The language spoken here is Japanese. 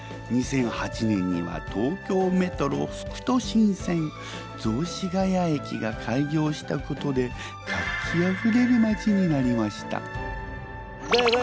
２００８年には東京メトロ副都心線雑司が谷駅が開業したことで活気あふれる町になりました。